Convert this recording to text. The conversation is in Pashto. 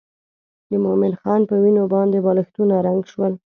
د مومن خان په وینو باندې بالښتونه رنګ شول.